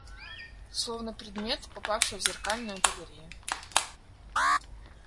словно предмет, попавший в зеркальную галерею